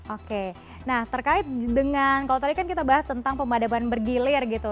oke nah terkait dengan kalau tadi kan kita bahas tentang pemadaman bergilir gitu